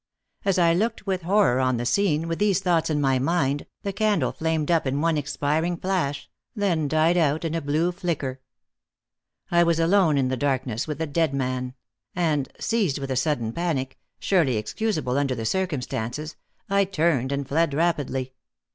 As I looked with horror on the scene, with these thoughts in my mind, the candle flamed up in one expiring flash, then died out in a blue flicker. I was alone in the darkness with the dead man; and, seized with a sudden panic surely excusable under the circumstances I turned and fled rapidly.